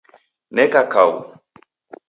Neka kau